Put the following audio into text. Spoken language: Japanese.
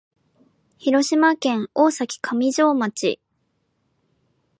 広島県大崎上島町